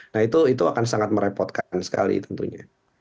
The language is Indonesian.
nah itu akan sangat merepotkan sekali tentunya